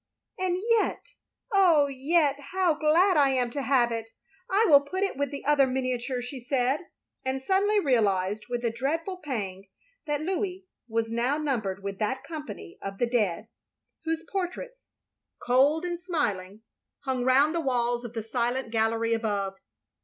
And yet, oh yet, how glad I am to have it ! I will put it with the other miniatures," she said; and suddenly realised, with a dreadful pang, that Louis was now numbered with that company of the dead, whose portraits, cold and smiling. OF GROSVENOR SQUARE 317 hung round the walls of the silent gallery above.